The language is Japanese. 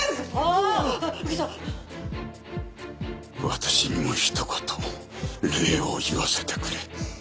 私にもひと言礼を言わせてくれ。